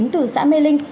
từ xã mê linh